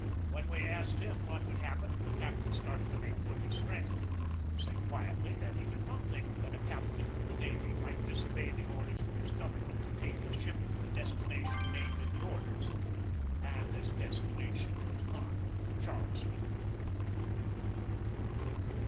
When we asked him what would happen if the cap tain started to make good his threat, he said quietly that he did not think that a captain of the navy might disobey the orders of his government to take his ship to the destination named in the orders and this destination was not Charleston.